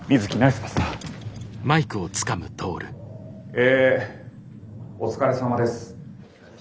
えお疲れさまです。